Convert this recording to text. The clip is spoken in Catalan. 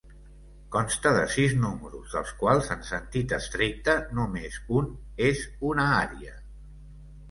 Consta de sis números, dels quals, en sentit estricte, només un és una ària.